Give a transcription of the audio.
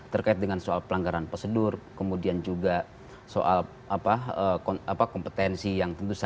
terkait dengan soal pelanggaran prosedur kemudian juga soal kompetensi yang tentu saja itu juga perlu dipertimbangkan gitu ya